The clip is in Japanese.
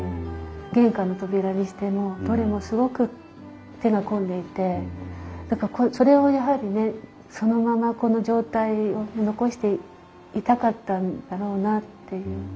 玄関の扉にしてもどれもすごく手が込んでいてそれをやはりねそのままこの状態を残していたかったんだろうなあっていう。